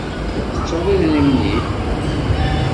Tettuḍ idrimen-ik?